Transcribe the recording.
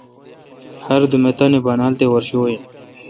ہردوم اے،° تانی بانال تے ورشو این۔